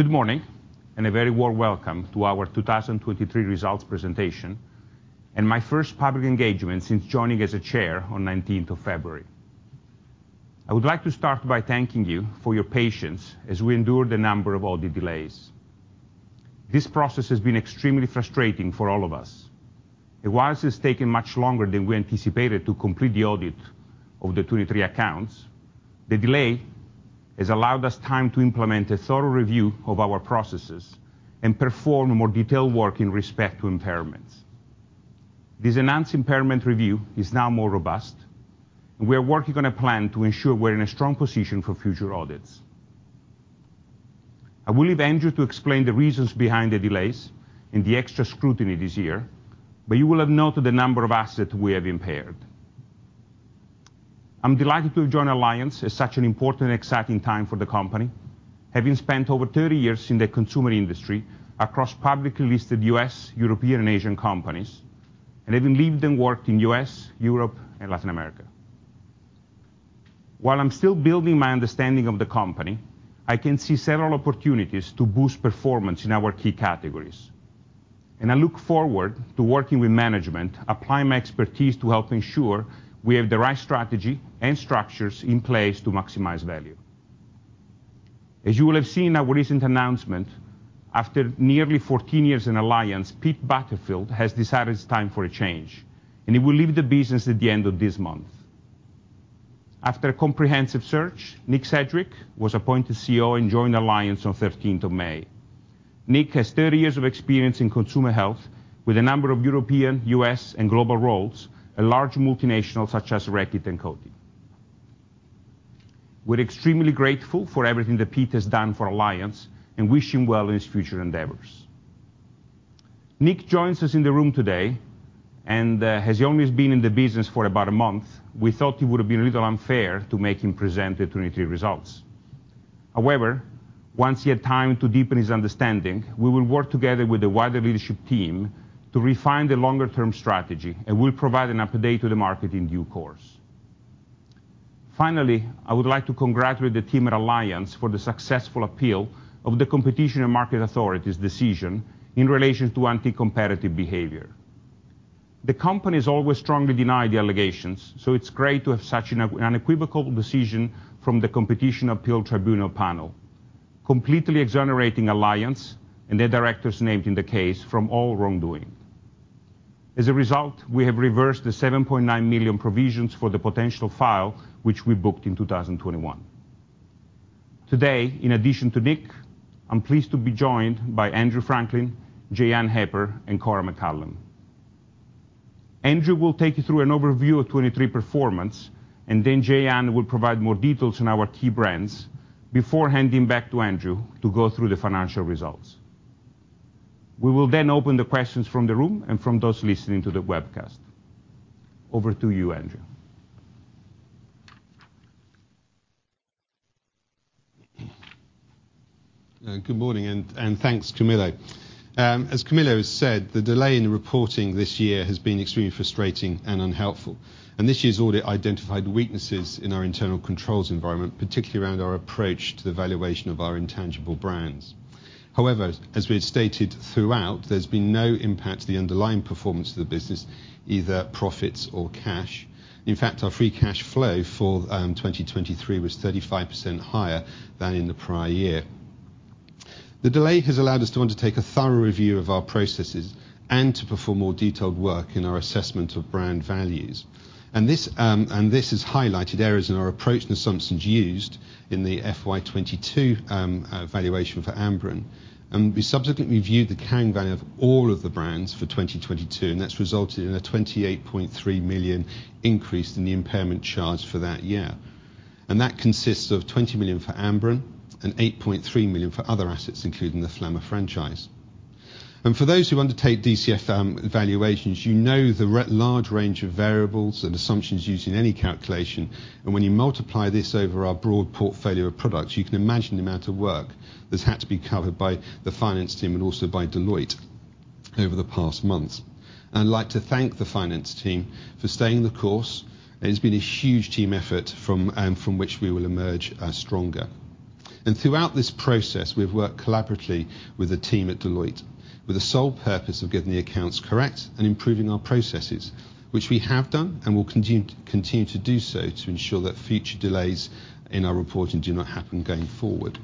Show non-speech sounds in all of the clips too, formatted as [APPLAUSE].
Good morning, and a very warm welcome to our 2023 results presentation, and my first public engagement since joining as Chair on 19th of February. I would like to start by thanking you for your patience as we endure the number of audit delays. This process has been extremely frustrating for all of us. While it's taken much longer than we anticipated to complete the audit of the 2023 accounts, the delay has allowed us time to implement a thorough review of our processes and perform more detailed work in respect to impairments. This enhanced impairment review is now more robust, and we are working on a plan to ensure we're in a strong position for future audits. I will leave Andrew to explain the reasons behind the delays and the extra scrutiny this year, but you will have noted the number of assets we have impaired. I'm delighted to join Alliance at such an important and exciting time for the company, having spent over 30 years in the consumer industry across publicly listed U.S., European, and Asian companies, and even lived and worked in U.S., Europe, and Latin America. While I'm still building my understanding of the company, I can see several opportunities to boost performance in our key categories, and I look forward to working with management, applying my expertise to help ensure we have the right strategy and structures in place to maximize value. As you will have seen our recent announcement, after nearly 14 years in Alliance, Peter Butterfield has decided it's time for a change, and he will leave the business at the end of this month. After a comprehensive search, Nick Sedgwick was appointed CEO and joined Alliance on 13th of May. Nick has 30 years of experience in consumer health with a number of European, US, and global roles, a large multinational such as Reckitt and Coty. We're extremely grateful for everything that Peter has done for Alliance and wish him well in his future endeavors. Nick joins us in the room today, and, as he only has been in the business for about a month, we thought it would have been a little unfair to make him present the 2023 results. However, once he had time to deepen his understanding, we will work together with the wider leadership team to refine the longer-term strategy, and we'll provide an update to the market in due course. Finally, I would like to congratulate the team at Alliance for the successful appeal of the Competition and Markets Authority's decision in relation to anti-competitive behavior. The company has always strongly denied the allegations, so it's great to have such an unequivocal decision from the Competition Appeal Tribunal panel, completely exonerating Alliance and their directors named in the case from all wrongdoing. As a result, we have reversed the 7.9 million provisions for the potential fine, which we booked in 2021. Today, in addition to Nick, I'm pleased to be joined by Andrew Franklin, Jeyan Heper, and Cora McCallum. Andrew will take you through an overview of 2023 performance, and then Jeyan will provide more details on our key brands before handing back to Andrew to go through the financial results. We will then open the questions from the room and from those listening to the webcast. Over to you, Andrew. Good morning, and thanks, Camillo. As Camillo has said, the delay in the reporting this year has been extremely frustrating and unhelpful, and this year's audit identified weaknesses in our internal controls environment, particularly around our approach to the valuation of our intangible brands. However, as we've stated throughout, there's been no impact to the underlying performance of the business, either profits or cash. In fact, our free cash flow for 2023 was 35% higher than in the prior year. The delay has allowed us to undertake a thorough review of our processes and to perform more detailed work in our assessment of brand values. And this has highlighted areas in our approach and assumptions used in the FY 2022 valuation for Amberen. We subsequently viewed the carrying value of all of the brands for 2022, and that's resulted in a 28.3 million increase in the impairment charge for that year. That consists of 20 million for Amberen and 8.3 million for other assets, including the Flama franchise. For those who undertake DCF valuations, you know the large range of variables and assumptions used in any calculation. When you multiply this over our broad portfolio of products, you can imagine the amount of work that's had to be covered by the finance team and also by Deloitte over the past months. I'd like to thank the finance team for staying the course. It has been a huge team effort from which we will emerge stronger. Throughout this process, we've worked collaboratively with the team at Deloitte with the sole purpose of getting the accounts correct and improving our processes, which we have done and will continue to do so to ensure that future delays in our reporting do not happen going forward.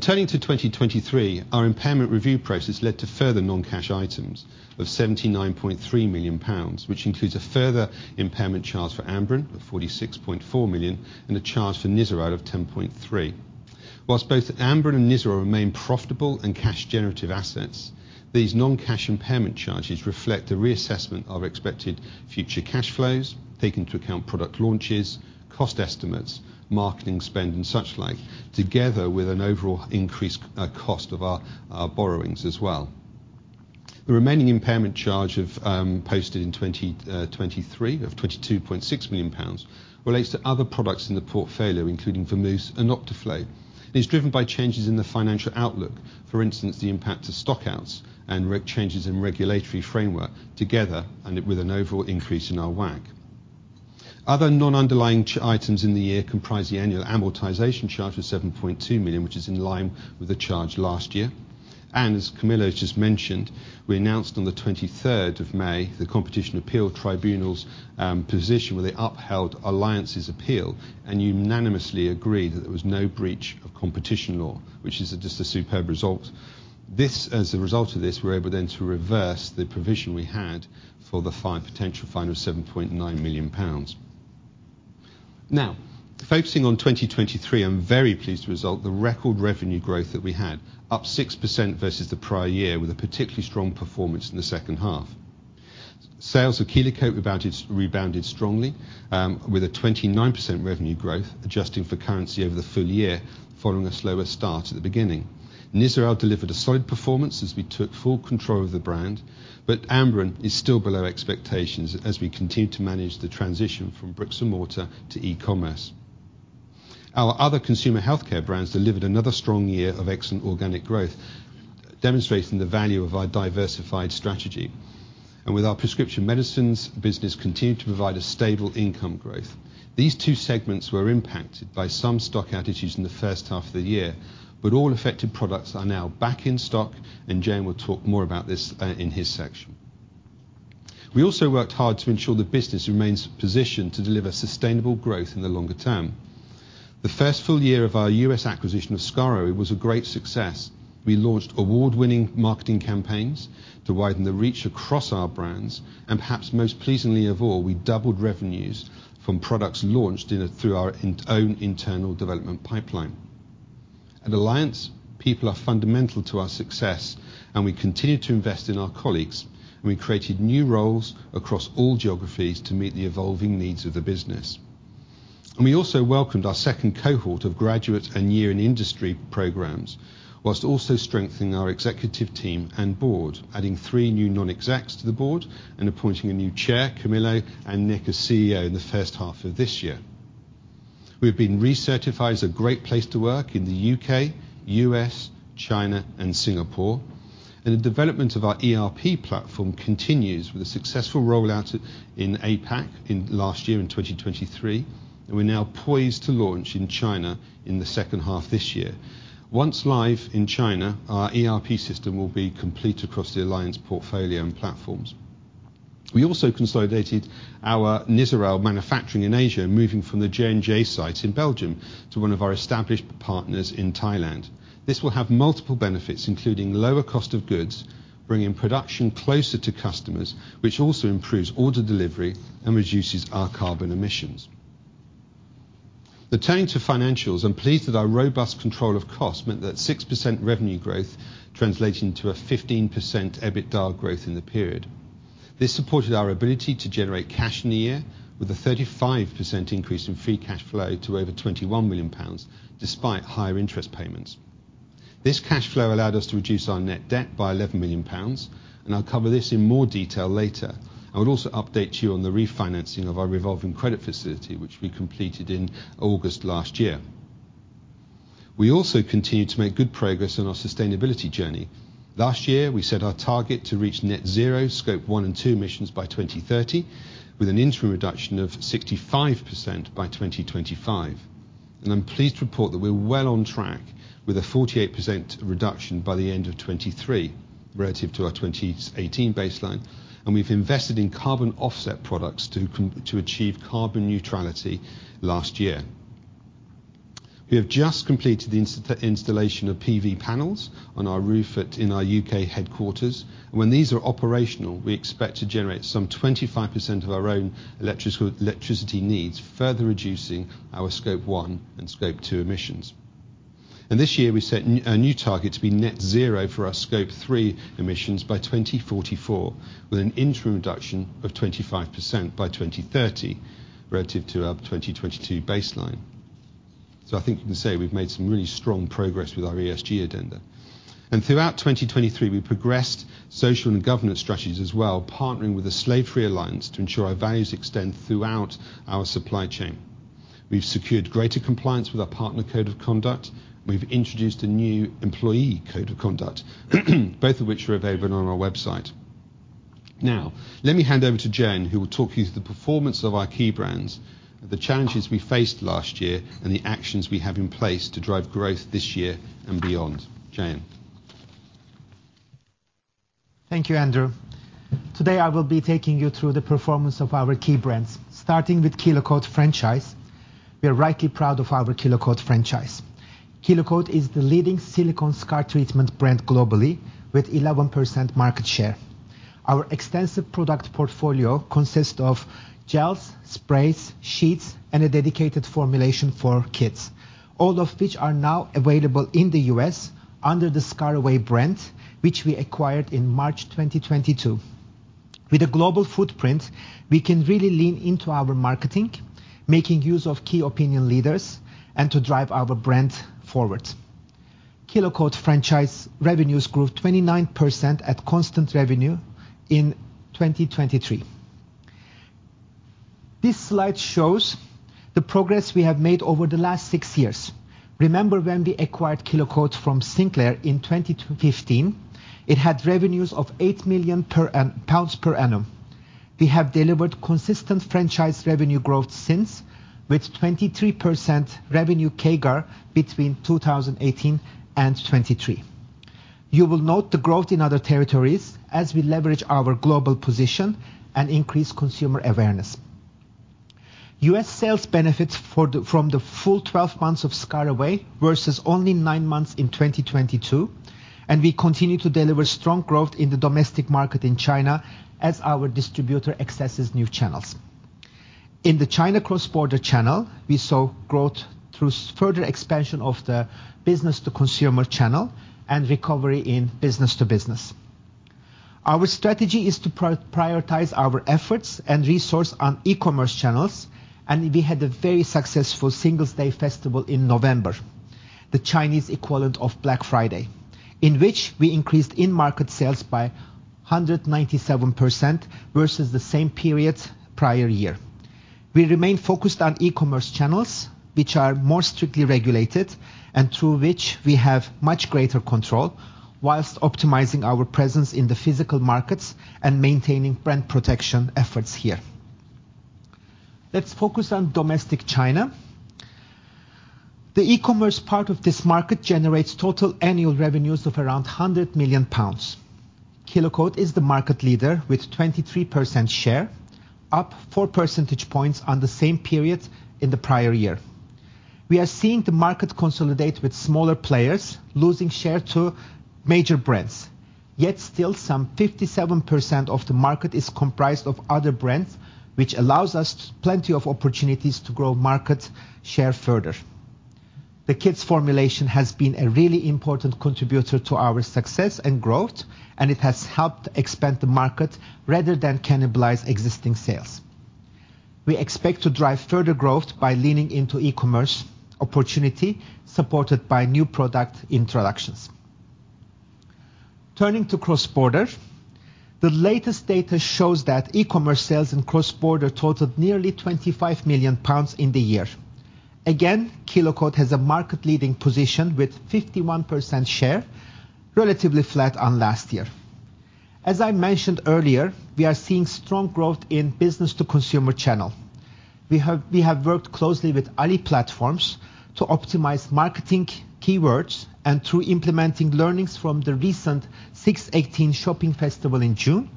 Turning to 2023, our impairment review process led to further non-cash items of 79.3 million pounds, which includes a further impairment charge for Amberen of 46.4 million and a charge for Nizoral of 10.3 million. While both Amberen and Nizoral remain profitable and cash-generative assets, these non-cash impairment charges reflect a reassessment of expected future cash flows, taking into account product launches, cost estimates, marketing spend, and such like, together with an overall increased cost of our borrowings as well. The remaining impairment charge of posted in 2023, of 22.6 million pounds, relates to other products in the portfolio, including Vamousse and Optiflo. It is driven by changes in the financial outlook, for instance, the impact of stock outs and changes in regulatory framework together, and with an overall increase in our WACC. Other non-underlying items in the year comprise the annual amortization charge of 7.2 million, which is in line with the charge last year. As Camillo has just mentioned, we announced on the 23rd of May, the Competition Appeal Tribunal's position, where they upheld Alliance's appeal and unanimously agreed that there was no breach of competition law, which is just a superb result. As a result of this, we're able then to reverse the provision we had for the fine, potential fine of 7.9 million pounds. Now, focusing on 2023, I'm very pleased with the result, the record revenue growth that we had, up 6% versus the prior year, with a particularly strong performance in the second half. Sales of Kelo-Cote rebounded, rebounded strongly, with a 29% revenue growth, adjusting for currency over the full year, following a slower start at the beginning. Nizoral delivered a solid performance as we took full control of the brand, but Amberen is still below expectations as we continue to manage the transition from bricks and mortar to e-commerce. Our other consumer healthcare brands delivered another strong year of excellent organic growth, demonstrating the value of our diversified strategy. With our prescription medicines, business continued to provide a stable income growth. These two segments were impacted by some stock outages in the first half of the year, but all affected products are now back in stock, and Jeyan will talk more about this in his section. We also worked hard to ensure the business remains positioned to deliver sustainable growth in the longer term. The first full year of our US acquisition of ScarAway was a great success. We launched award-winning marketing campaigns to widen the reach across our brands, and perhaps most pleasingly of all, we doubled revenues from products launched through our own internal development pipeline. At Alliance, people are fundamental to our success, and we continue to invest in our colleagues, and we created new roles across all geographies to meet the evolving needs of the business. We also welcomed our second cohort of graduates and year in industry programs, while also strengthening our executive team and board, adding 3 new non-execs to the board and appointing a new chair, Camillo, and Nick as CEO in the first half of this year. We've been recertified as a great place to work in the U.K., U.S., China, and Singapore, and the development of our ERP platform continues with a successful rollout in APAC in last year, in 2023, and we're now poised to launch in China in the second half this year. Once live in China, our ERP system will be complete across the Alliance portfolio and platforms. We also consolidated our Nizoral manufacturing in Asia, moving from the J&J site in Belgium to one of our established partners in Thailand. This will have multiple benefits, including lower cost of goods, bringing production closer to customers, which also improves order delivery and reduces our carbon emissions. Turning to financials, I'm pleased that our robust control of cost meant that 6% revenue growth translating to a 15% EBITDA growth in the period. This supported our ability to generate cash in the year with a 35% increase in free cash flow to over 21 million pounds, despite higher interest payments. This cash flow allowed us to reduce our net debt by 11 million pounds, and I'll cover this in more detail later. I will also update you on the refinancing of our revolving credit facility, which we completed in August last year. We also continued to make good progress on our sustainability journey. Last year, we set our target to reach net zero Scope 1 and 2 emissions by 2030, with an interim reduction of 65% by 2025. I'm pleased to report that we're well on track with a 48% reduction by the end of 2023 relative to our 2018 baseline, and we've invested in carbon offset products to achieve carbon neutrality last year. We have just completed the installation of PV panels on our roof in our UK headquarters. When these are operational, we expect to generate some 25% of our own electricity needs, further reducing our Scope 1 and 2 emissions. This year, we set a new target to be net zero for our Scope 3 emissions by 2044, with an interim reduction of 25% by 2030 relative to our 2022 baseline. So I think you can say we've made some really strong progress with our ESG agenda. Throughout 2023, we progressed social and governance strategies as well, partnering with the Slave-Free Alliance to ensure our values extend throughout our supply chain. We've secured greater compliance with our partner code of conduct. We've introduced a new employee code of conduct, both of which are available on our website. Now, let me hand over to Jeyan, who will talk you through the performance of our key brands, the challenges we faced last year, and the actions we have in place to drive growth this year and beyond. Jeyan? Thank you, Andrew. Today, I will be taking you through the performance of our key brands, starting with Kelo-Cote franchise. We are rightly proud of our Kelo-Cote franchise. Kelo-Cote is the leading silicone scar treatment brand globally, with 11% market share. Our extensive product portfolio consists of gels, sprays, sheets, and a dedicated formulation for kids, all of which are now available in the U.S. under the ScarAway brand, which we acquired in March 2022. With a global footprint, we can really lean into our marketing, making use of key opinion leaders and to drive our brand forward. Kelo-Cote franchise revenues grew 29% at constant revenue in 2023. This slide shows the progress we have made over the last six years. Remember when we acquired Kelo-Cote from Sinclair in 2015, it had revenues of 8 million pounds per annum. We have delivered consistent franchise revenue growth since, with 23% revenue CAGR between 2018 and 2023. You will note the growth in other territories as we leverage our global position and increase consumer awareness. US sales benefits from the full 12 months of ScarAway, versus only 9 months in 2022, and we continue to deliver strong growth in the domestic market in China as our distributor accesses new channels. In the China cross-border channel, we saw growth through further expansion of the business-to-consumer channel and recovery in business-to-business. Our strategy is to prioritize our efforts and resource on e-commerce channels, and we had a very successful Singles' Day festival in November, the Chinese equivalent of Black Friday, in which we increased in-market sales by 197% versus the same period prior year. We remain focused on e-commerce channels, which are more strictly regulated, and through which we have much greater control, while optimizing our presence in the physical markets and maintaining brand protection efforts here. Let's focus on domestic China. The e-commerce part of this market generates total annual revenues of around 100 million pounds. Kelo-Cote is the market leader with 23% share, up four percentage points on the same period in the prior year. We are seeing the market consolidate, with smaller players losing share to major brands. Yet still, some 57% of the market is comprised of other brands, which allows us plenty of opportunities to grow market share further. The kids formulation has been a really important contributor to our success and growth, and it has helped expand the market rather than cannibalize existing sales. We expect to drive further growth by leaning into e-commerce opportunity, supported by new product introductions. Turning to cross-border, the latest data shows that e-commerce sales in cross-border totaled nearly 25 million pounds in the year. Again, Kelo-Cote has a market-leading position with 51% share, relatively flat on last year. As I mentioned earlier, we are seeing strong growth in business-to-consumer channel. We have worked closely with Ali platforms to optimize marketing keywords, and through implementing learnings from the recent 618 shopping festival in June,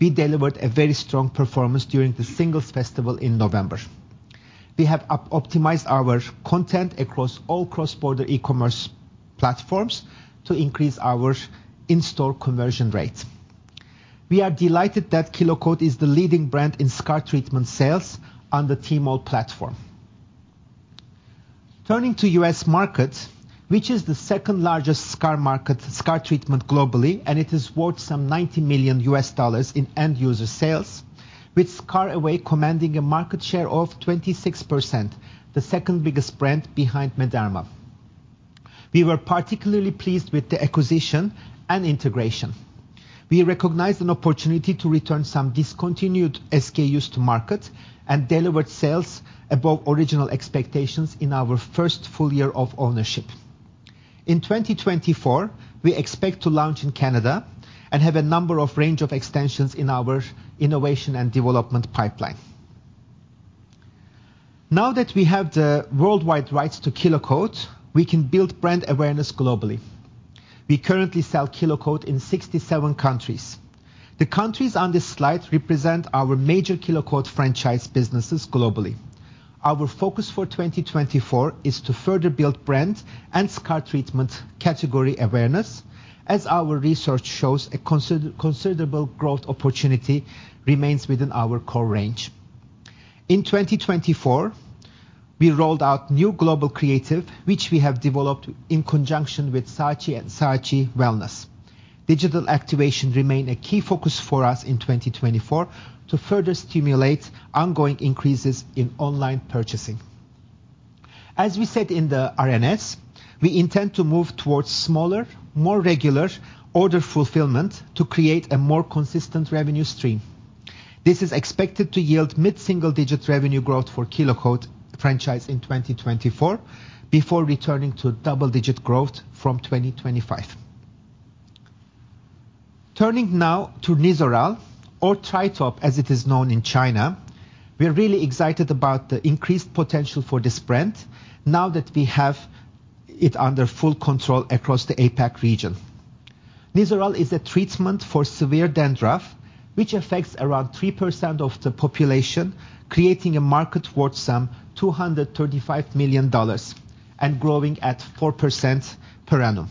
we delivered a very strong performance during the Singles' Day in November. We have optimized our content across all cross-border e-commerce platforms to increase our in-store conversion rate. We are delighted that Kelo-Cote is the leading brand in scar treatment sales on the Tmall platform. Turning to the U.S. market, which is the second-largest scar market, scar treatment globally, and it is worth some $90 million in end-user sales, with ScarAway commanding a market share of 26%, the second biggest brand behind Mederma. We were particularly pleased with the acquisition and integration. We recognized an opportunity to return some discontinued SKUs to market and delivered sales above original expectations in our first full year of ownership. In 2024, we expect to launch in Canada and have a number of range of extensions in our innovation and development pipeline. Now that we have the worldwide rights to Kelo-Cote, we can build brand awareness globally. We currently sell Kelo-Cote in 67 countries. The countries on this slide represent our major Kelo-Cote franchise businesses globally. Our focus for 2024 is to further build brand and scar treatment category awareness, as our research shows a considerable growth opportunity remains within our core range. In 2024, we rolled out new global creative, which we have developed in conjunction with Saatchi & Saatchi Wellness. Digital activation remain a key focus for us in 2024 to further stimulate ongoing increases in online purchasing. As we said in the RNS, we intend to move towards smaller, more regular order fulfillment to create a more consistent revenue stream. This is expected to yield mid-single-digit revenue growth for Kelo-Cote franchise in 2024, before returning to double-digit growth from 2025. Turning now to Nizoral, or Titop, as it is known in China. We are really excited about the increased potential for this brand now that we have it under full control across the APAC region. Nizoral is a treatment for severe dandruff, which affects around 3% of the population, creating a market worth some $235 million and growing at 4% per annum.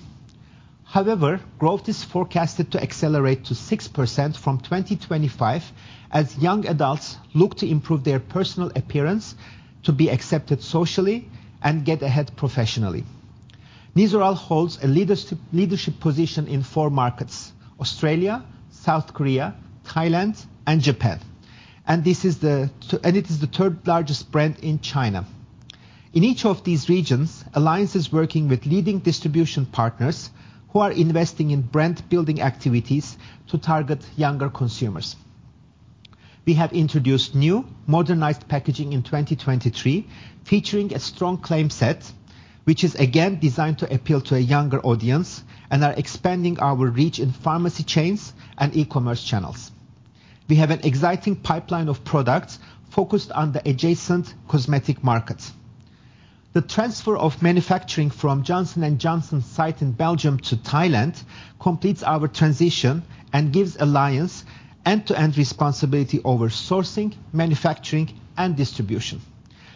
However, growth is forecasted to accelerate to 6% from 2025, as young adults look to improve their personal appearance to be accepted socially and get ahead professionally. Nizoral holds a leadership position in four markets: Australia, South Korea, Thailand, and Japan. It is the third-largest brand in China. In each of these regions, Alliance is working with leading distribution partners who are investing in brand-building activities to target younger consumers. We have introduced new modernized packaging in 2023, featuring a strong claim set, which is again designed to appeal to a younger audience, and are expanding our reach in pharmacy chains and e-commerce channels. We have an exciting pipeline of products focused on the adjacent cosmetic markets. The transfer of manufacturing from Johnson & Johnson's site in Belgium to Thailand completes our transition and gives Alliance end-to-end responsibility over sourcing, manufacturing, and distribution.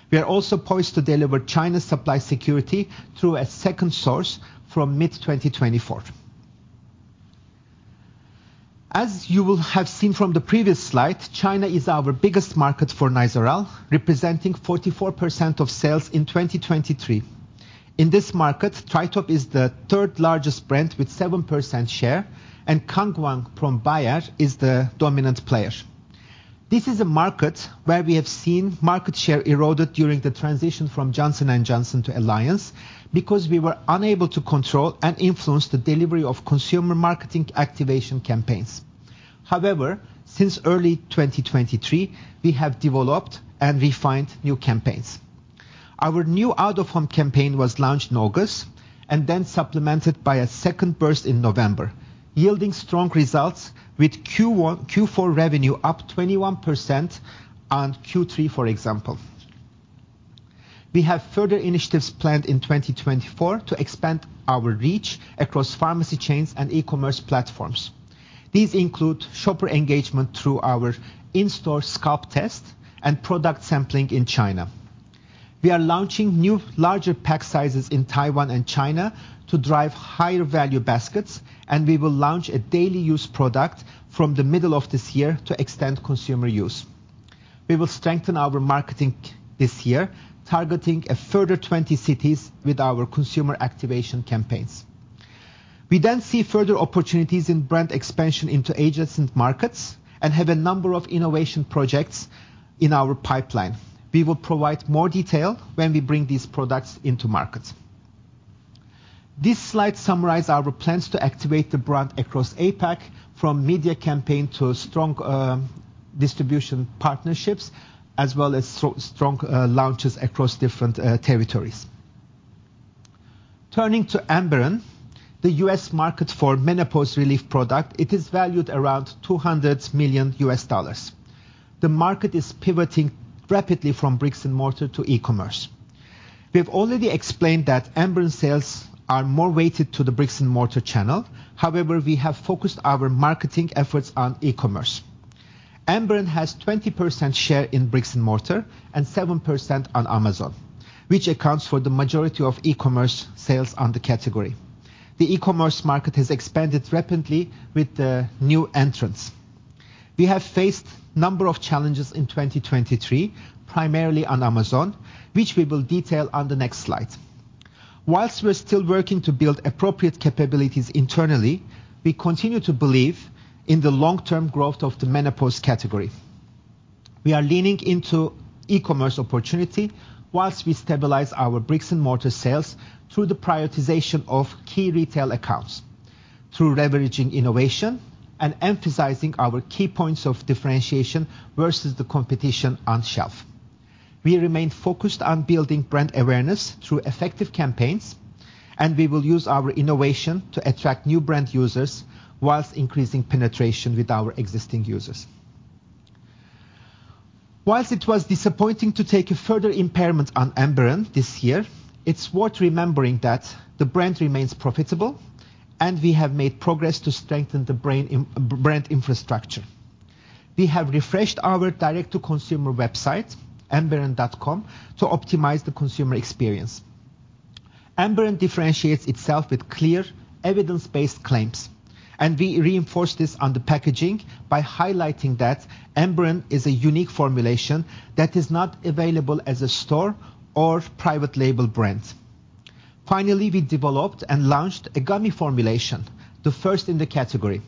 We are also poised to deliver China's supply security through a second source from mid-2024. As you will have seen from the previous slide, China is our biggest market for Nizoral, representing 44% of sales in 2023. In this market, Titop is the third-largest brand with 7% share, and Kangwang from Bayer is the dominant player. This is a market where we have seen market share eroded during the transition from Johnson & Johnson to Alliance, because we were unable to control and influence the delivery of consumer marketing activation campaigns. However, since early 2023, we have developed and refined new campaigns. Our new out-of-home campaign was launched in August and then supplemented by a second burst in November, yielding strong results, with Q4 revenue up 21% on Q3, for example. We have further initiatives planned in 2024 to expand our reach across pharmacy chains and e-commerce platforms. These include shopper engagement through our in-store scalp test and product sampling in China. We are launching new, larger pack sizes in Taiwan and China to drive higher value baskets, and we will launch a daily use product from the middle of this year to extend consumer use. We will strengthen our marketing this year, targeting a further 20 cities with our consumer activation campaigns. We then see further opportunities in brand expansion into adjacent markets and have a number of innovation projects in our pipeline. We will provide more detail when we bring these products into market. This slide summarizes our plans to activate the brand across APAC, from media campaign to strong distribution partnerships, as well as strong launches across different territories. Turning to Amberen, the US market for menopause relief product, it is valued around $200 million. The market is pivoting rapidly from bricks and mortar to e-commerce. We've already explained that Amberen sales are more weighted to the bricks and mortar channel. However, we have focused our marketing efforts on e-commerce. Amberen has 20% share in bricks and mortar and 7% on Amazon, which accounts for the majority of e-commerce sales on the category. The e-commerce market has expanded rapidly with the new entrants. We have faced a number of challenges in 2023, primarily on Amazon, which we will detail on the next slide. While we're still working to build appropriate capabilities internally, we continue to believe in the long-term growth of the menopause category. We are leaning into e-commerce opportunity while we stabilize our bricks and mortar sales through the prioritization of key retail accounts, through leveraging innovation, and emphasizing our key points of differentiation versus the competition on shelf. We remain focused on building brand awareness through effective campaigns, and we will use our innovation to attract new brand users while increasing penetration with our existing users. While it was disappointing to take a further impairment on Amberen this year, it's worth remembering that the brand remains profitable, and we have made progress to strengthen the brand infrastructure. We have refreshed our direct-to-consumer website, amberen.com, to optimize the consumer experience. Amberen differentiates itself with clear, evidence-based claims, and we reinforce this on the packaging by highlighting that Amberen is a unique formulation that is not available as a store or private label brand. Finally, we developed and launched a gummy formulation, the first in the category.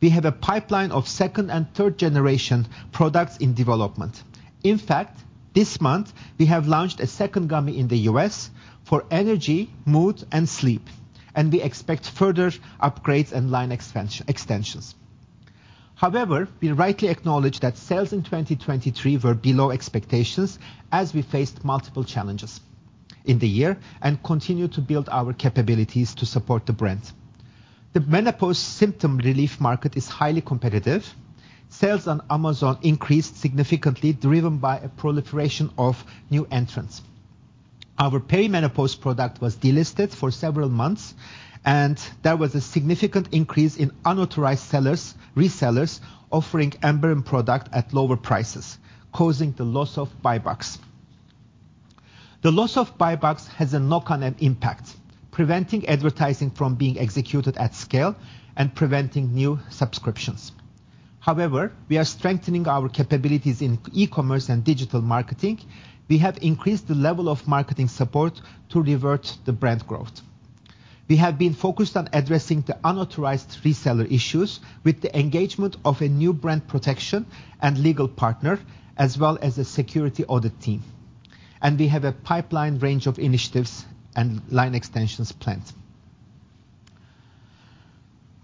We have a pipeline of second- and third-generation products in development. In fact, this month, we have launched a second gummy in the US for energy, mood, and sleep, and we expect further upgrades and line extensions. However, we rightly acknowledge that sales in 2023 were below expectations, as we faced multiple challenges in the year and continued to build our capabilities to support the brand. The menopause symptom relief market is highly competitive. Sales on Amazon increased significantly, driven by a proliferation of new entrants. Our perimenopause product was delisted for several months, and there was a significant increase in unauthorized sellers, resellers, offering Amberen product at lower prices, causing the loss of Buy Box. The loss of Buy Box has a knock-on end impact, preventing advertising from being executed at scale and preventing new subscriptions. However, we are strengthening our capabilities in e-commerce and digital marketing. We have increased the level of marketing support to revert the brand growth.... We have been focused on addressing the unauthorized reseller issues with the engagement of a new brand protection and legal partner, as well as a security audit team. We have a pipeline range of initiatives and line extensions planned.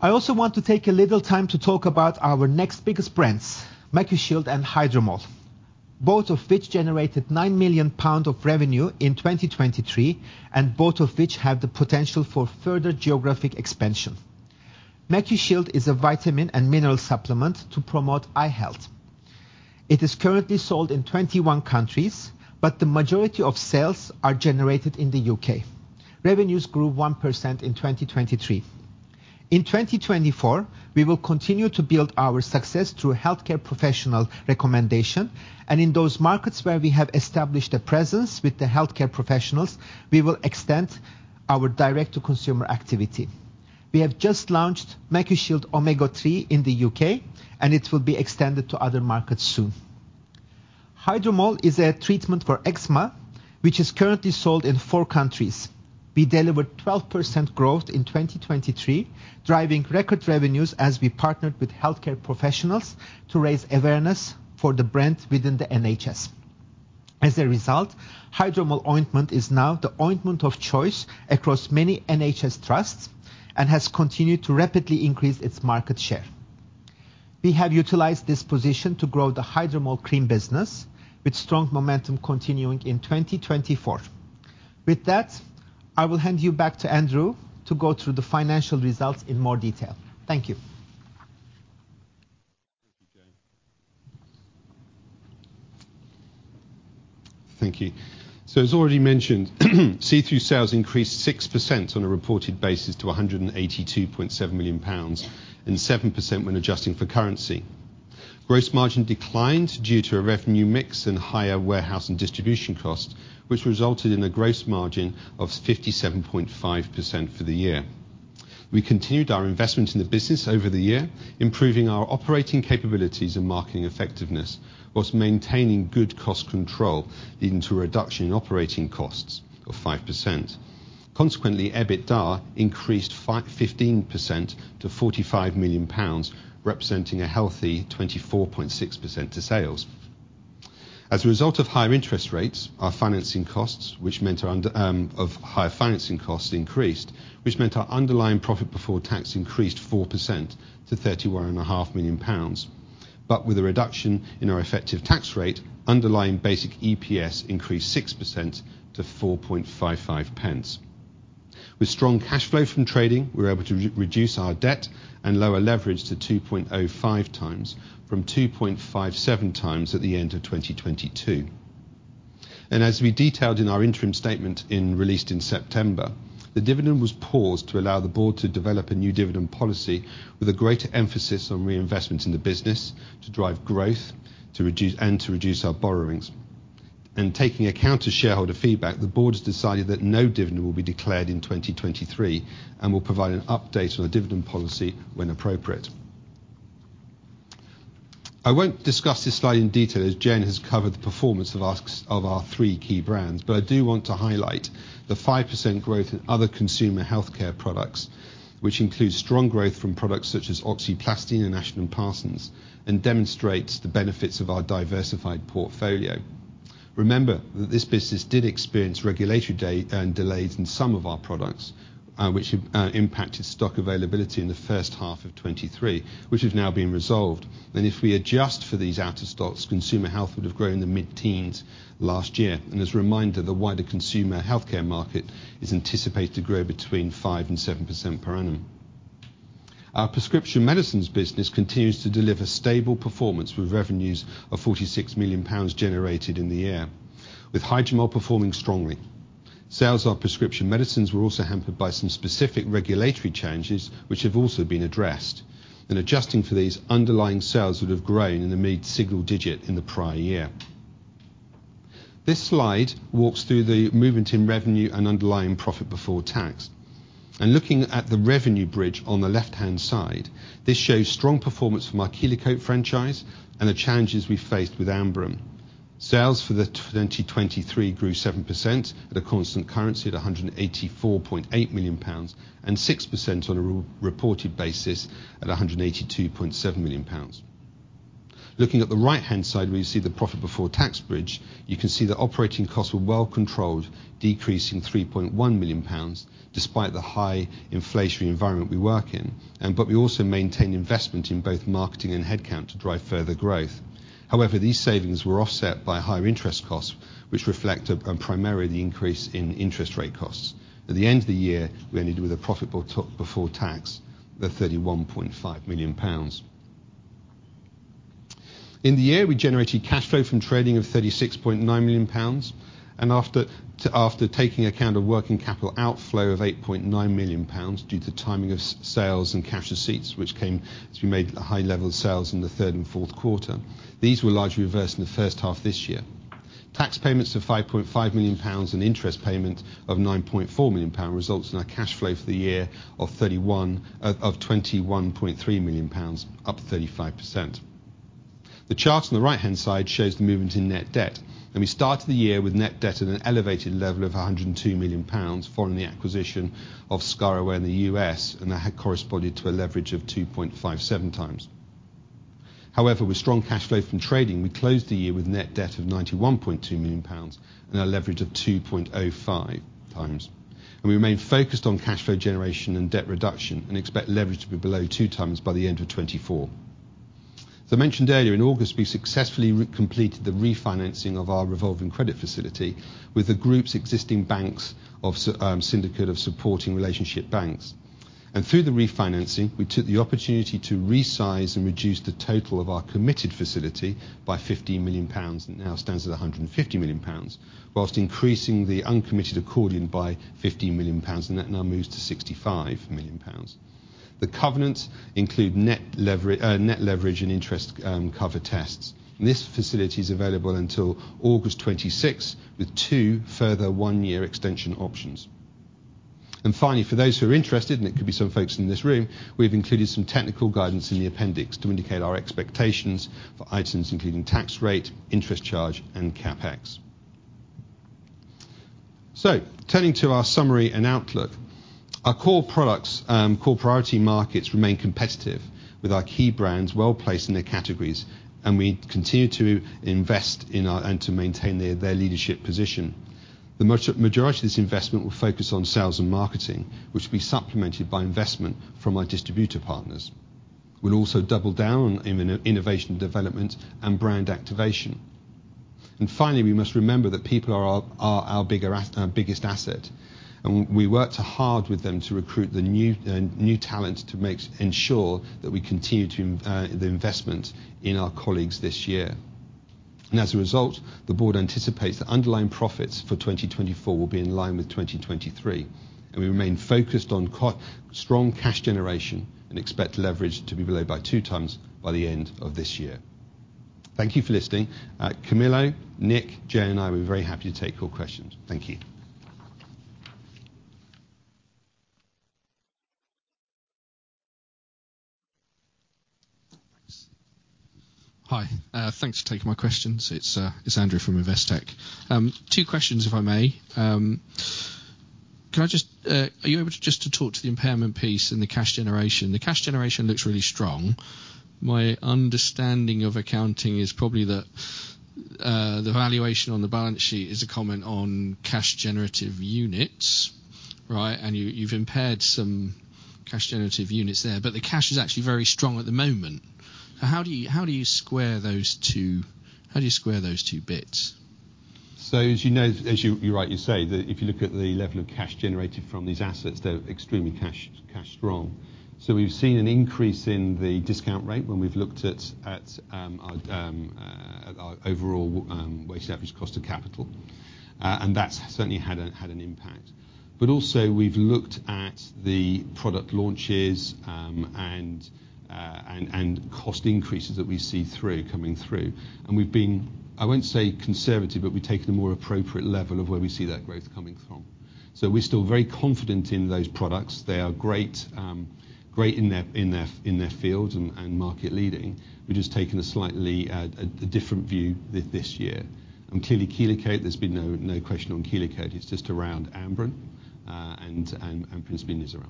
I also want to take a little time to talk about our next biggest brands, MacuShield and Hydromol, both of which generated 9 million pounds of revenue in 2023, and both of which have the potential for further geographic expansion. MacuShield is a vitamin and mineral supplement to promote eye health. It is currently sold in 21 countries, but the majority of sales are generated in the UK. Revenues grew 1% in 2023. In 2024, we will continue to build our success through healthcare professional recommendation, and in those markets where we have established a presence with the healthcare professionals, we will extend our direct-to-consumer activity. We have just launched MacuShield Omega-3 in the UK, and it will be extended to other markets soon. Hydromol is a treatment for eczema, which is currently sold in 4 countries. We delivered 12% growth in 2023, driving record revenues as we partnered with healthcare professionals to raise awareness for the brand within the NHS. As a result, Hydromol ointment is now the ointment of choice across many NHS trusts and has continued to rapidly increase its market share. We have utilized this position to grow the Hydromol cream business, with strong momentum continuing in 2024. With that, I will hand you back to Andrew to go through the financial results in more detail. Thank you. Thank you. So as already mentioned, CER sales increased 6% on a reported basis to 182.7 million pounds, and 7% when adjusting for currency. Gross margin declined due to a revenue mix and higher warehouse and distribution costs, which resulted in a gross margin of 57.5% for the year. We continued our investment in the business over the year, improving our operating capabilities and marketing effectiveness, whilst maintaining good cost control, leading to a reduction in operating costs of 5%. Consequently, EBITDA increased 15% to 45 million pounds, representing a healthy 24.6% to sales. As a result of higher interest rates, our financing costs increased, which meant our underlying profit before tax increased 4% to 31.5 million pounds. But with a reduction in our effective tax rate, underlying basic EPS increased 6% to 0.0455. With strong cash flow from trading, we were able to reduce our debt and lower leverage to 2.05x from 2.57x at the end of 2022. As we detailed in our interim statement released in September, the dividend was paused to allow the board to develop a new dividend policy with a greater emphasis on reinvestment in the business, to drive growth, and to reduce our borrowings. Taking account of shareholder feedback, the board has decided that no dividend will be declared in 2023 and will provide an update on the dividend policy when appropriate. I won't discuss this slide in detail, as Can has covered the performance of asks, of our three key brands. But I do want to highlight the 5% growth in other consumer healthcare products, which includes strong growth from products such as Oxyplastine and Ashton & Parsons, and demonstrates the benefits of our diversified portfolio. Remember that this business did experience regulatory delays in some of our products, which impacted stock availability in the first half of 2023, which has now been resolved. And if we adjust for these out-of-stocks, consumer health would have grown in the mid-teens last year. And as a reminder, the wider consumer healthcare market is anticipated to grow between 5%-7% per annum. Our prescription medicines business continues to deliver stable performance, with revenues of 46 million pounds generated in the year, with Hydromol performing strongly. Sales of prescription medicines were also hampered by some specific regulatory changes, which have also been addressed. Adjusting for these, underlying sales would have grown in the mid-single digit in the prior year. This slide walks through the movement in revenue and underlying profit before tax. Looking at the revenue bridge on the left-hand side, this shows strong performance from our Kelo-Cote franchise and the challenges we faced with Amberen. Sales for 2023 grew 7% at constant currency at 184.8 million pounds, and 6% on a reported basis at 182.7 million pounds. Looking at the right-hand side, where you see the profit before tax bridge, you can see the operating costs were well controlled, decreasing 3.1 million pounds, despite the high inflationary environment we work in. But we also maintained investment in both marketing and headcount to drive further growth. However, these savings were offset by higher interest costs, which reflect, primarily, the increase in interest rate costs. At the end of the year, we ended with a profit before tax of 31.5 million pounds. In the year, we generated cash flow from trading of 36.9 million pounds, and after taking account of working capital outflow of 8.9 million pounds due to timing of sales and cash receipts, which came as we made the high level of sales in the third and fourth quarter. These were largely reversed in the first half of this year. Tax payments of 5.5 million pounds and interest payment of 9.4 million pound results in our cash flow for the year of 31, of 21.3 million pounds, up 35%. The chart on the right-hand side shows the movement in net debt. We started the year with net debt at an elevated level of 102 million pounds following the acquisition of ScarAway in the US, and that had corresponded to a leverage of 2.57x. However, with strong cash flow from trading, we closed the year with net debt of 91.2 million pounds and a leverage of 2.05x. We remain focused on cash flow generation and debt reduction and expect leverage to be below 2x by the end of 2024. As I mentioned earlier, in August, we successfully re-completed the refinancing of our revolving credit facility with the group's existing banks of syndicate of supporting relationship banks. Through the refinancing, we took the opportunity to resize and reduce the total of our committed facility by 15 million pounds, and it now stands at 150 million pounds, whilst increasing the uncommitted accordion by 15 million pounds, and that now moves to 65 million pounds. The covenants include net leverage and interest cover tests. This facility is available until August 2026, with two further one-year extension options. Finally, for those who are interested, and it could be some folks in this room, we've included some technical guidance in the appendix to indicate our expectations for items including tax rate, interest charge, and CapEx. So turning to our summary and outlook, our core products, core priority markets remain competitive, with our key brands well-placed in their categories, and we continue to invest in our, and to maintain their, their leadership position. The majority of this investment will focus on sales and marketing, which will be supplemented by investment from our distributor partners. We'll also double down on innovation development and brand activation. And finally, we must remember that people are our biggest asset, and we worked hard with them to recruit the new talent to make sure, ensure that we continue to the investment in our colleagues this year. As a result, the board anticipates that underlying profits for 2024 will be in line with 2023, and we remain focused on cost-strong cash generation and expect leverage to be below 2x by the end of this year. Thank you for listening. Camillo, Nick, Jay, and I will be very happy to take your questions. Thank you. Hi, thanks for taking my questions. It's Andrew from Investec. Two questions, if I may. Can I just are you able to just to talk to the impairment piece and the cash generation? The cash generation looks really strong. My understanding of accounting is probably that the valuation on the balance sheet is a comment on cash generating units, right? And you, you've impaired some cash generating units there, but the cash is actually very strong at the moment. So how do you square those two, how do you square those two bits? So, as you know, as you rightly say, that if you look at the level of cash generated from these assets, they're extremely cash strong. So we've seen an increase in the discount rate when we've looked at our overall weighted average cost of capital, and that's certainly had an impact. But also, we've looked at the product launches and cost increases that we see coming through. And we've been, I wouldn't say conservative, but we've taken a more appropriate level of where we see that growth coming from. So we're still very confident in those products. They are great in their field and market leading. We've just taken a slightly different view this year. And clearly, Kelo-Cote, there's been no question on Kelo-Cote. It's just around Amberen, and. [AUDIO DISTORTION]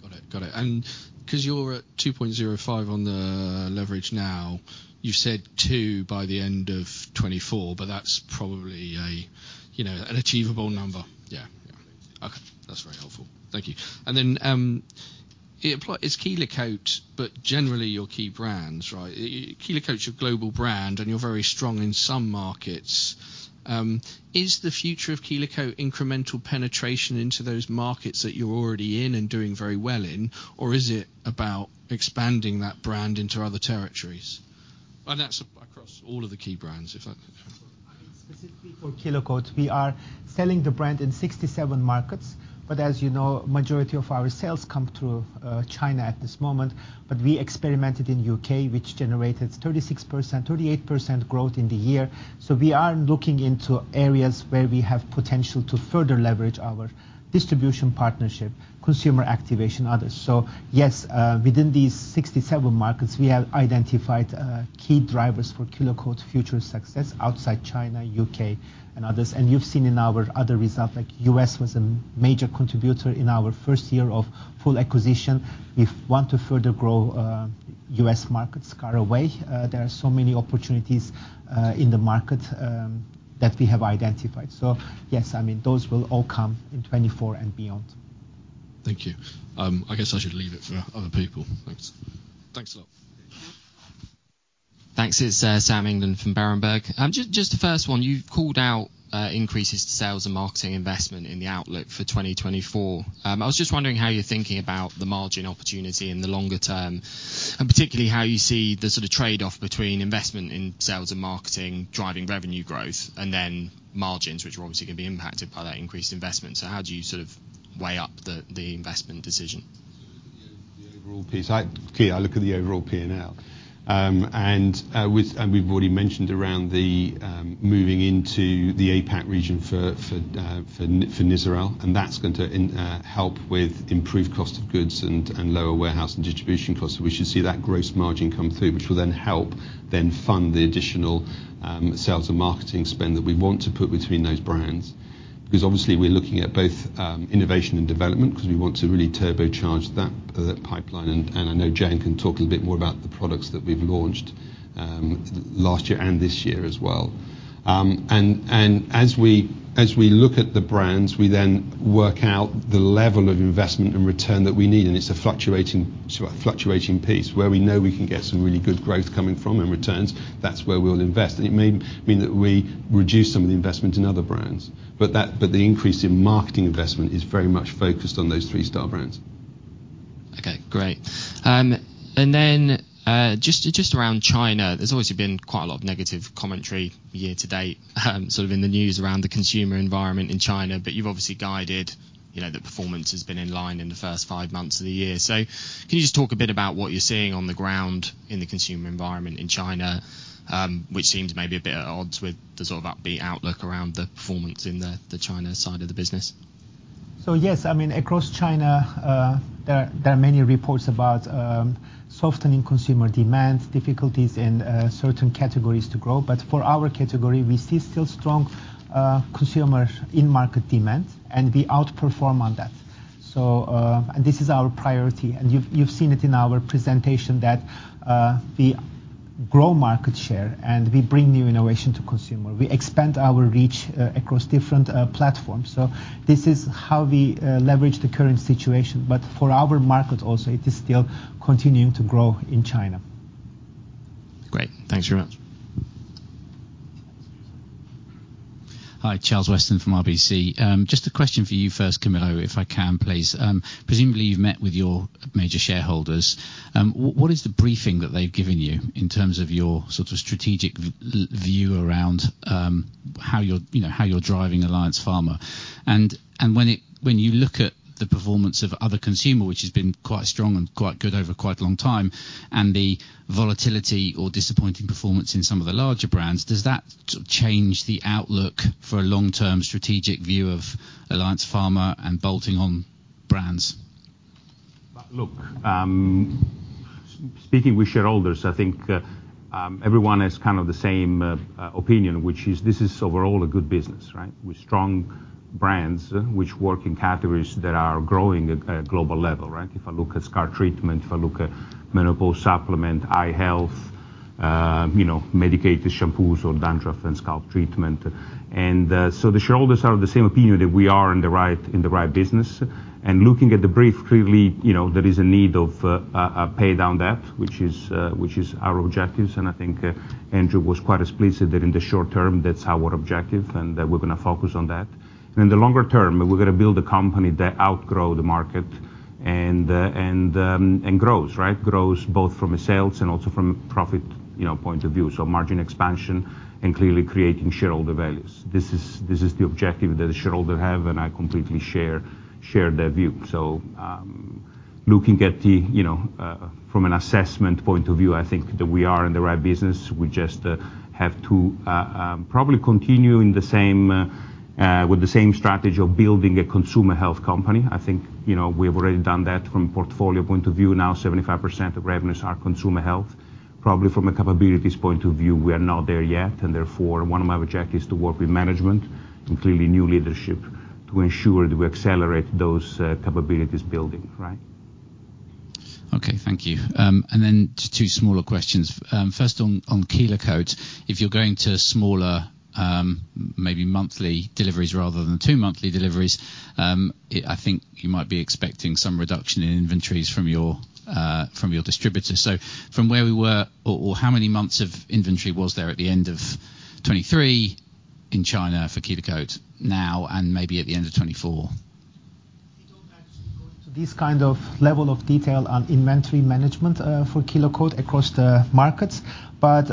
Got it. Got it. And because you're at 2.05 on the leverage now, you've said 2 by the end of 2024, but that's probably a, you know, an achievable number? Yeah. Yeah. Okay. That's very helpful. Thank you. And then, is Kelo-Cote, but generally, your key brands, right? Kelo-Cote's your global brand, and you're very strong in some markets. Is the future of Kelo-Cote incremental penetration into those markets that you're already in and doing very well in, or is it about expanding that brand into other territories? And that's across all of the key brands, if I- Specifically for Kelo-Cote, we are selling the brand in 67 markets, but as you know, majority of our sales come through China at this moment. But we experimented in UK, which generated 36%-38% growth in the year. So we are looking into areas where we have potential to further leverage our distribution, partnership, consumer activation, others. So yes, within these 67 markets, we have identified key drivers for Kelo-Cote's future success outside China, UK, and others. And you've seen in our other results, like US, was a major contributor in our first year of full acquisition. We want to further grow US markets ScarAway. There are so many opportunities in the market that we have identified. So yes, I mean, those will all come in 2024 and beyond. Thank you. I guess I should leave it for other people. Thanks. Thanks a lot. Thanks. It's Sam England from Berenberg. Just the first one, you've called out increases to sales and marketing investment in the outlook for 2024. I was just wondering how you're thinking about the margin opportunity in the longer term, and particularly, how you see the sort of trade-off between investment in sales and marketing, driving revenue growth and then margins, which are obviously going to be impacted by that increased investment. So how do you sort of weigh up the investment decision? Overall piece, clearly I look at the overall P&L. And with, and we've already mentioned around the moving into the APAC region for Nizoral, and that's going to help with improved cost of goods and lower warehouse and distribution costs. We should see that gross margin come through, which will then help fund the additional sales and marketing spend that we want to put between those brands. Because obviously, we're looking at both innovation and development, because we want to really turbocharge that pipeline. And I know Jeyan can talk a little bit more about the products that we've launched last year and this year as well. And as we look at the brands, we then work out the level of investment and return that we need, and it's a fluctuating, sort of, fluctuating piece where we know we can get some really good growth coming from in returns. That's where we'll invest, and it may mean that we reduce some of the investment in other brands. But the increase in marketing investment is very much focused on those three star brands. Okay, great. And then, just, just around China, there's obviously been quite a lot of negative commentary year to date, sort of in the news around the consumer environment in China. But you've obviously guided, you know, that performance has been in line in the first five months of the year. So can you just talk a bit about what you're seeing on the ground in the consumer environment in China, which seems maybe a bit at odds with the sort of upbeat outlook around the performance in the China side of the business? Yes, I mean, across China, there are many reports about softening consumer demand, difficulties in certain categories to grow. But for our category, we see still strong consumer in-market demand, and we outperform on that. And this is our priority, and you've seen it in our presentation that we grow market share, and we bring new innovation to consumer. We expand our reach across different platforms. So this is how we leverage the current situation. But for our market also, it is still continuing to grow in China. Great. Thanks very much. Hi, Charles Weston from RBC. Just a question for you first, Camillo, if I can, please. Presumably, you've met with your major shareholders. What is the briefing that they've given you in terms of your sort of strategic view around, you know, how you're driving Alliance Pharma? And when it, when you look at the performance of other consumer, which has been quite strong and quite good over quite a long time, and the volatility or disappointing performance in some of the larger brands, does that change the outlook for a long-term strategic view of Alliance Pharma and bolting on brands? Look, speaking with shareholders, I think, everyone has kind of the same opinion, which is this is overall a good business, right? With strong brands, which work in categories that are growing at a global level, right? If I look at scar treatment, if I look at menopause supplement, eye health, you know, medicated shampoos or dandruff and scalp treatment. And so the shareholders are of the same opinion that we are in the right, in the right business. And looking at the brief, clearly, you know, there is a need of a pay down debt, which is our objectives. And I think, Andrew was quite explicit that in the short term, that's our objective, and that we're gonna focus on that. In the longer term, we're gonna build a company that outgrow the market and grows, right? Grows both from a sales and also from a profit, you know, point of view, so margin expansion and clearly creating shareholder values. This is the objective that the shareholder have, and I completely share their view. So, looking at the, you know, from an assessment point of view, I think that we are in the right business. We just have to probably continue in the same with the same strategy of building a consumer health company. I think, you know, we have already done that from a portfolio point of view. Now, 75% of revenues are consumer health. Probably from a capabilities point of view, we are not there yet, and therefore, one of my objective is to work with management, including new leadership, to ensure that we accelerate those capabilities building, right? Okay, thank you. And then just two smaller questions. First on Kelo-Cote. If you're going to smaller, maybe monthly deliveries rather than two monthly deliveries, I think you might be expecting some reduction in inventories from your, from your distributors. So from where we were, or how many months of inventory was there at the end of 2023 in China for Kelo-Cote now and maybe at the end of 2024? We don't actually go into this kind of level of detail on inventory management, for Kelo-Cote across the markets. But,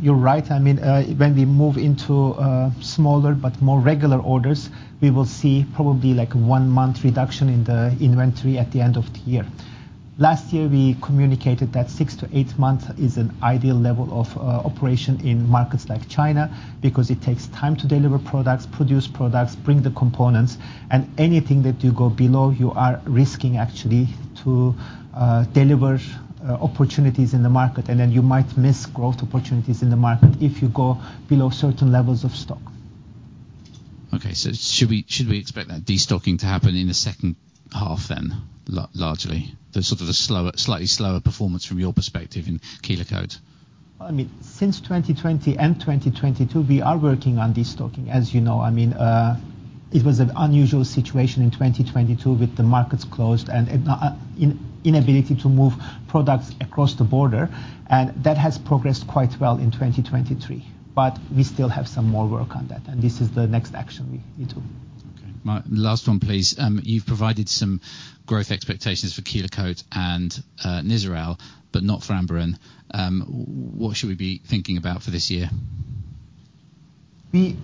you're right. I mean, when we move into, smaller but more regular orders, we will see probably, like, one month reduction in the inventory at the end of the year. Last year, we communicated that six to eight months is an ideal level of, operation in markets like China, because it takes time to deliver products, produce products, bring the components, and anything that you go below, you are risking actually to deliver opportunities in the market, and then you might miss growth opportunities in the market if you go below certain levels of stock. Okay, so should we, should we expect that destocking to happen in the second half then, largely? The sort of the slower, slightly slower performance from your perspective in Kelo-Cote. I mean, since 2020 and 2022, we are working on destocking, as you know. I mean, it was an unusual situation in 2022 with the markets closed and inability to move products across the border, and that has progressed quite well in 2023. But we still have some more work on that, and this is the next action we took. Okay, my last one, please. You've provided some growth expectations for Kelo-Cote and Nizoral, but not Amberen. What should we be thinking about for this year? We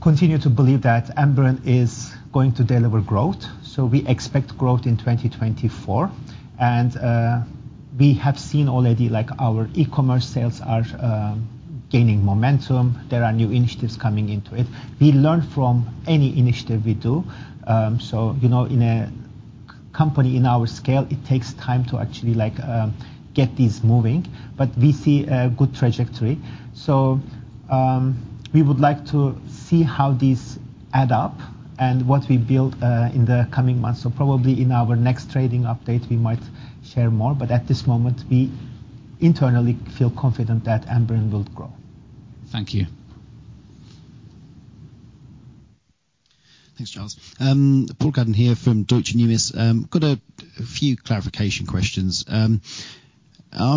continue to believe that Amberen is going to deliver growth, so we expect growth in 2024. And, we have seen already, like, our e-commerce sales are gaining momentum. There are new initiatives coming into it. We learn from any initiative we do. So, you know, in a company in our scale, it takes time to actually, like, get these moving, but we see a good trajectory. So, we would like to see how these add up and what we build in the coming months. So probably in our next trading update, we might share more, but at this moment, we internally feel confident that Amberen will grow. Thank you. Thanks, Charles. Paul Cuddon here from Deutsche Numis. Got a few clarification questions. I'm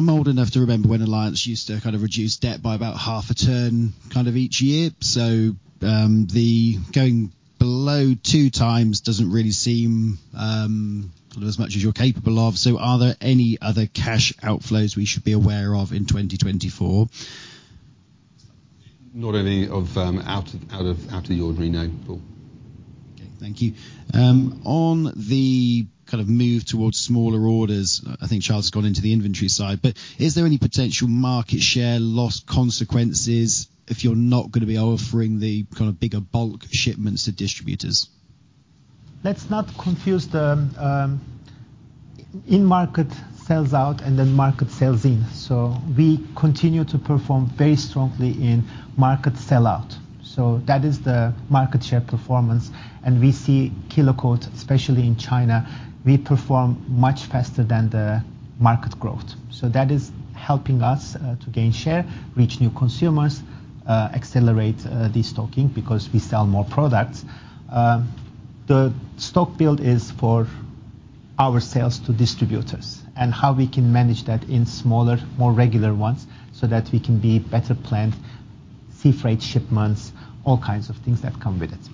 old enough to remember when Alliance used to kind of reduce debt by about half a turn, kind of each year. So, the going below 2x doesn't really seem sort of as much as you're capable of. So are there any other cash outflows we should be aware of in 2024? Nothing out of the ordinary. No, Paul. Okay, thank you. On the kind of move towards smaller orders, I think Charles has gone into the inventory side, but is there any potential market share loss consequences if you're not gonna be offering the kind of bigger bulk shipments to distributors? Let's not confuse the in-market sell-out and then market sell-in. So we continue to perform very strongly in market sellout. So that is the market share performance. And we see Kelo-Cote, especially in China. We perform much faster than the market growth. So that is helping us to gain share, reach new consumers, accelerate the stocking because we sell more products. The stock build is for our sales to distributors and how we can manage that in smaller, more regular ones, so that we can be better planned, sea freight shipments, all kinds of things that come with it.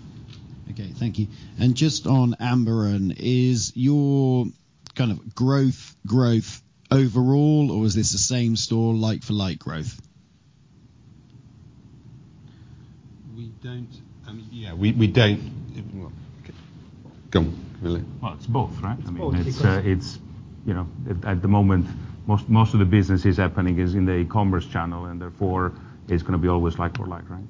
Okay, thank you. And just on Amberen, is your kind of growth, growth overall, or is this the same store, like for like growth? Well, okay. Go, Camillo. Well, it's both, right? It's both. I mean, it's, you know, at the moment, most of the business is happening in the e-commerce channel, and therefore, it's gonna be always like for like, right?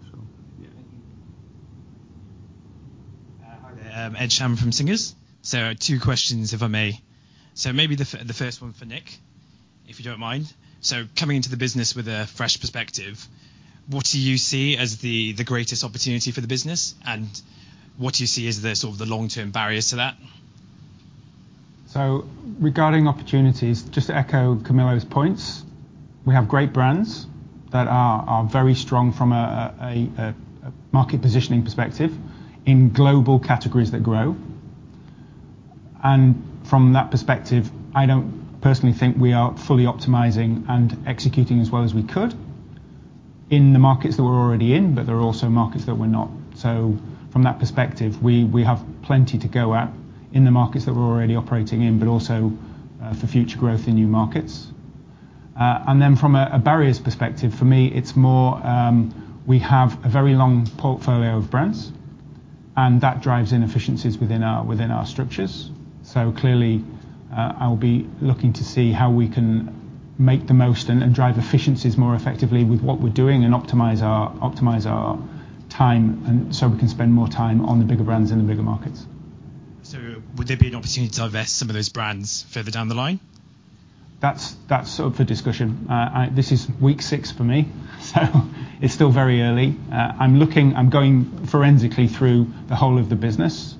So- Yeah. Hi there. Ed Sham from Singer's. So two questions, if I may. So maybe the first one for Nick, if you don't mind. So coming into the business with a fresh perspective, what do you see as the greatest opportunity for the business, and what do you see as the sort of the long-term barriers to that? So regarding opportunities, just to echo Camillo's points, we have great brands that are very strong from a market positioning perspective in global categories that grow. And from that perspective, I don't personally think we are fully optimizing and executing as well as we could in the markets that we're already in, but there are also markets that we're not. So from that perspective, we have plenty to go at in the markets that we're already operating in, but also for future growth in new markets. And then from a barriers perspective, for me, it's more we have a very long portfolio of brands, and that drives inefficiencies within our structures. So clearly, I'll be looking to see how we can make the most and drive efficiencies more effectively with what we're doing and optimize our time, and so we can spend more time on the bigger brands in the bigger markets. Would there be an opportunity to divest some of those brands further down the line? That's up for discussion. This is week six for me, so it's still very early. I'm looking. I'm going forensically through the whole of the business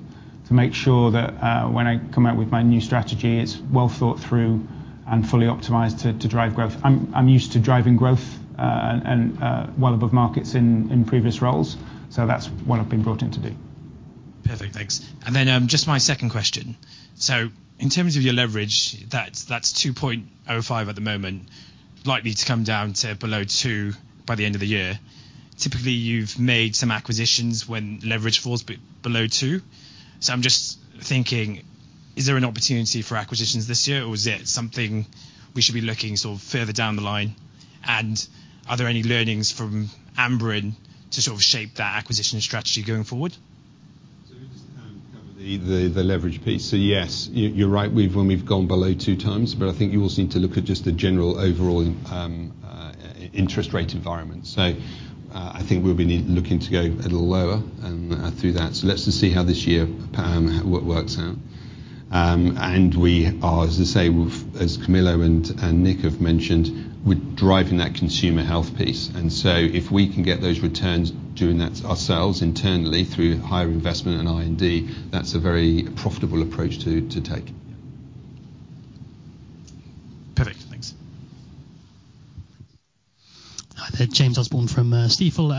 to make sure that when I come out with my new strategy, it's well thought through and fully optimized to drive growth. I'm used to driving growth and well above markets in previous roles, so that's what I've been brought in to do. Perfect, thanks. And then, just my second question: so in terms of your leverage, that's, that's 2.05 at the moment, likely to come down to below 2 by the end of the year. Typically, you've made some acquisitions when leverage falls below 2. So I'm just thinking, is there an opportunity for acquisitions this year, or is it something we should be looking sort of further down the line? And are there any learnings from Amberen to sort of shape that acquisition strategy going forward? So just cover the leverage piece. So yes, you're right. We've, when we've gone below 2x, but I think you also need to look at just the general overall interest rate environment. So I think we'll be looking to go a little lower through that. So let's just see how this year works out. And we are, as I say, as Camillo and Nick have mentioned, we're driving that consumer health piece. And so if we can get those returns doing that ourselves internally through higher investment in R&D, that's a very profitable approach to take. Perfect. Thanks. Hi there, James Orsborne from Stifel.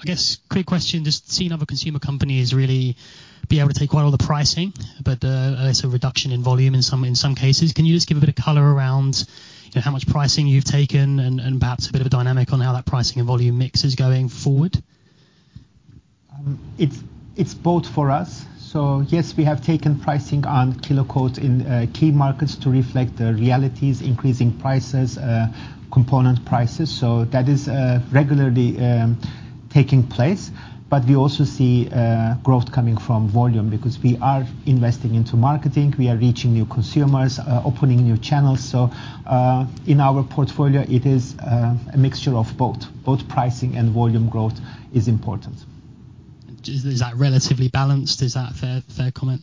I guess quick question, just seeing other consumer companies really be able to take quite all the pricing, but less a reduction in volume in some cases. Can you just give a bit of color around, you know, how much pricing you've taken and perhaps a bit of a dynamic on how that pricing and volume mix is going forward? It's both for us. So, yes, we have taken pricing on Kelo-Cote in key markets to reflect the realities, increasing prices, component prices. So that is regularly taking place. But we also see growth coming from volume because we are investing into marketing, we are reaching new consumers, opening new channels. So in our portfolio, it is a mixture of both. Both pricing and volume growth is important. Is that relatively balanced? Is that a fair comment?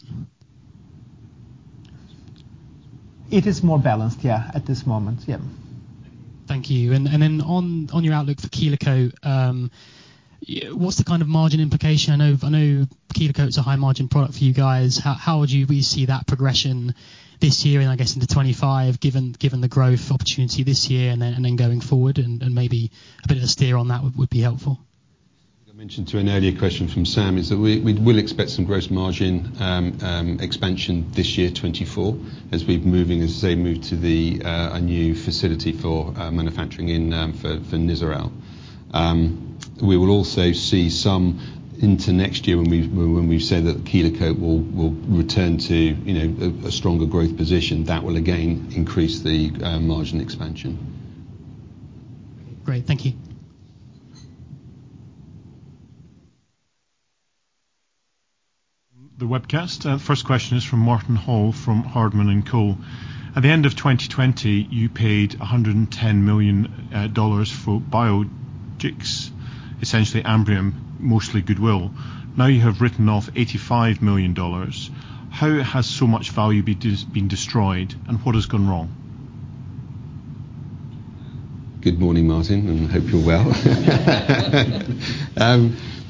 It is more balanced, yeah, at this moment. Yeah. Thank you. And then on your outlook for Kelo-Cote, what's the kind of margin implication? I know Kelo-Cote's a high margin product for you guys. How would you see that progression this year and I guess into 25, given the growth opportunity this year, and then going forward? And maybe a bit of a steer on that would be helpful. I mentioned to an earlier question from Sam, is that we will expect some gross margin expansion this year, 2024, as we're moving, as I say, move to the a new facility for manufacturing in for for Nizoral. We will also see some into next year when we've said that Kelo-Cote will return to, you know, a stronger growth position. That will again increase the margin expansion. Great. Thank you. The webcast. First question is from Martin Hall, from Hardman & Co. At the end of 2020, you paid $110 million dollars for Biogix, essentially Amberen, mostly goodwill. Now, you have written off $85 million dollars. How has so much value been destroyed, and what has gone wrong? Good morning, Martin, and hope you're well.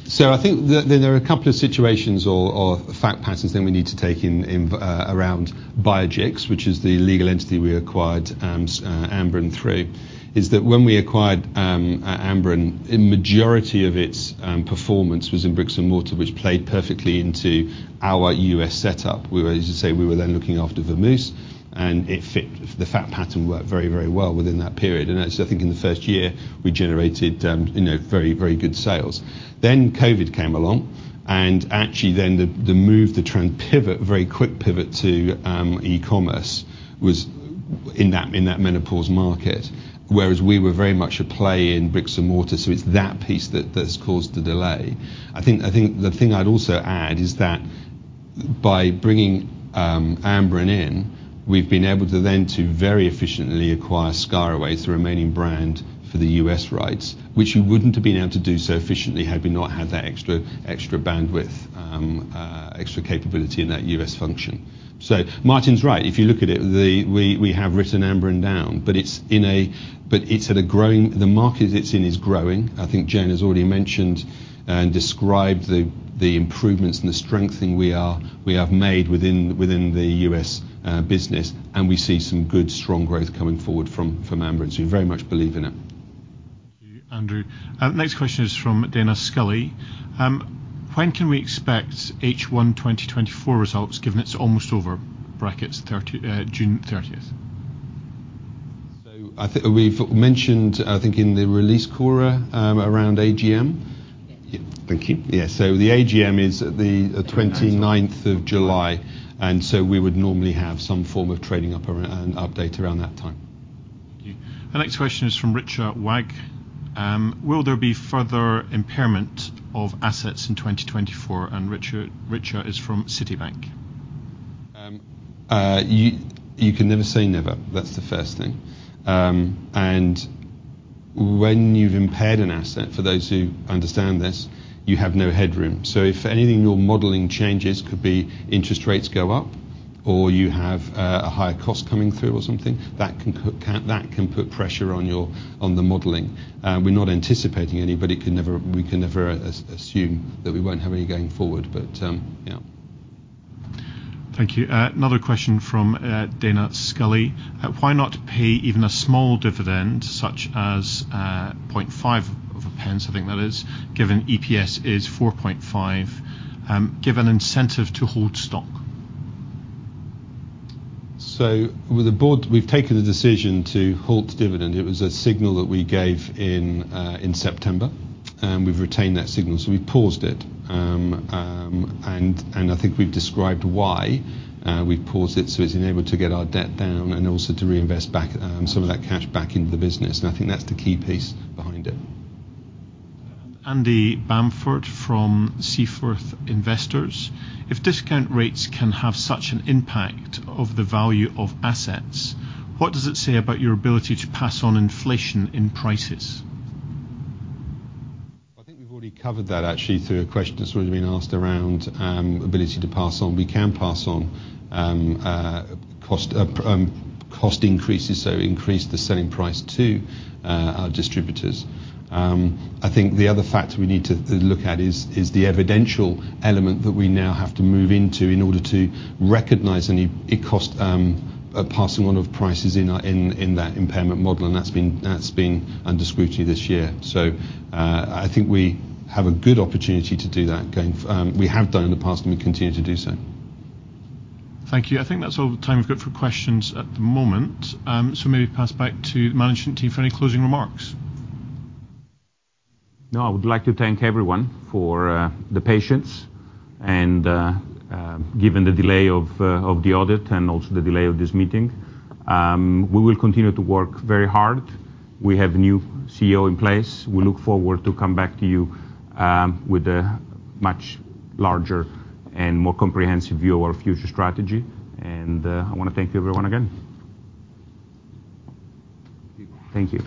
So I think that there are a couple of situations or fact patterns that we need to take in around Biogix, which is the legal entity we acquired Amberen through. Is that when we acquired Amberen, a majority of its performance was in bricks and mortar, which played perfectly into our US setup. We were, as you say, we were then looking after the most, and it fit. The fact pattern worked very, very well within that period. And I think in the first year, we generated, you know, very, very good sales. Then COVID came along, and actually then, the move, the trend pivot, very quick pivot to e-commerce was in that menopause market, whereas we were very much a play in bricks and mortar. So it's that piece that's caused the delay. I think the thing I'd also add is that by bringing Amberen in, we've been able to then very efficiently acquire ScarAway, the remaining brand for the US rights, which you wouldn't have been able to do so efficiently had we not had that extra bandwidth, extra capability in that US function. So Martin's right. If you look at it, we have written Amberen down, but it's at a growing market. The market it's in is growing. I think Jeyan has already mentioned and described the improvements and the strengthening we have made within the US business, and we see some good, strong growth coming forward from Amberen. So we very much believe in it. Thank you, Andrew. Next question is from Dana Scully. When can we expect H1 2024 results, given it's almost over, 30 June? I think we've mentioned, I think, in the release, Cora, around AGM? Yes. Thank you. Yes, so the AGM is the twenty-ninth of July, and so we would normally have some form of trading update around that time. Thank you. Our next question is from Richard Wagg. Will there be further impairment of assets in 2024? And Richard, Richard is from Citibank. You can never say never. That's the first thing. And when you've impaired an asset, for those who understand this, you have no headroom. So if anything, your modeling changes, could be interest rates go up, or you have a higher cost coming through or something, that can put pressure on your, on the modeling. We're not anticipating any, but it can never, we can never assume that we won't have any going forward. But yeah. Thank you. Another question from Dana Scully: Why not pay even a small dividend, such as 0.005, I think that is, given EPS is 0.045, give an incentive to hold stock? So with the board, we've taken the decision to halt dividend. It was a signal that we gave in September, and we've retained that signal, so we've paused it. And I think we've described why we've paused it. So it's enabled to get our debt down and also to reinvest back some of that cash back into the business, and I think that's the key piece behind it. Andy Bamford from Seaforth Investors. If discount rates can have such an impact on the value of assets, what does it say about your ability to pass on inflation in prices? I think we've already covered that, actually, through a question that's already been asked around, ability to pass on. We can pass on, cost, cost increases, so increase the selling price to, our distributors. I think the other factor we need to look at is the evidential element that we now have to move into in order to recognize any cost, passing on of prices in our, in, that impairment model, and that's been under scrutiny this year. So, I think we have a good opportunity to do that, we have done in the past, and we continue to do so. Thank you. I think that's all the time we've got for questions at the moment. Maybe pass back to the management team for any closing remarks. No, I would like to thank everyone for the patience and given the delay of the audit and also the delay of this meeting. We will continue to work very hard. We have a new CEO in place. We look forward to come back to you with a much larger and more comprehensive view of our future strategy, and I want to thank everyone again. Thank you.